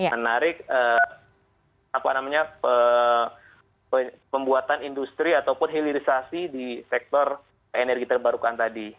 menarik pembuatan industri ataupun hilirisasi di sektor energi terbarukan tadi